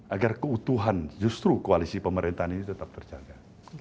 agar keutuhan justru koalisi pemerintahan ini tetap terjaga